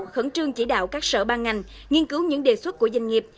khẩn trương chỉ đạo các sở ban ngành nghiên cứu những đề xuất của doanh nghiệp